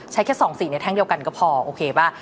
แค่๒สีในแท่งเดียวกันก็พอโอเคป่ะ